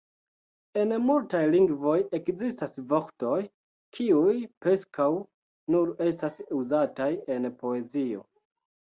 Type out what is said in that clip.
En multaj lingvoj ekzistas vortoj, kiuj preskaŭ nur estas uzataj en poezio.